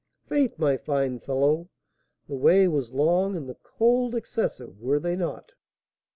"'Faith, my fine fellow, the way was long and the cold excessive; were they not?"